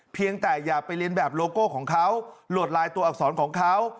เพียงแต่อย่าไปเรียนแบบโลโก้ของเขาหลวดลายตัวอักษรของเขา